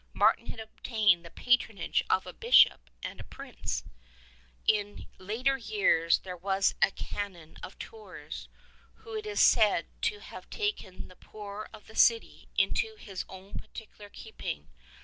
Martin had obtained the patron age of a Bishop and a prince ! In later years there was a Canon of Tours who is said to have taken the poor of the city into his own particular keeping.